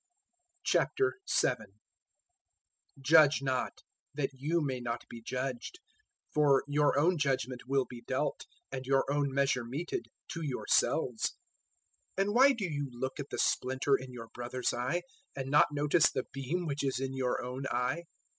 007:001 "Judge not, that you may not be judged; 007:002 for your own judgement will be dealt and your own measure meted to yourselves. 007:003 And why do you look at the splinter in your brother's eye, and not notice the beam which is in your own eye?